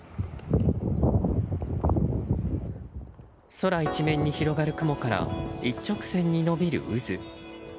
空一面に広がる雲から一直線に延びる渦。